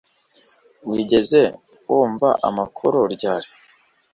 Wigeze wumva amakuru ryari